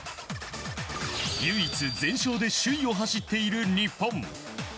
唯一全勝で首位を走っている日本。